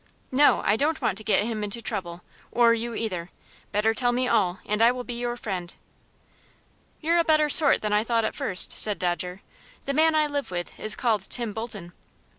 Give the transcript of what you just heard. "No, I don't want to get him into trouble, or you either. Better tell me all, and I will be your friend." "You're a better sort than I thought at first," said Dodger. "The man I live with is called Tim Bolton."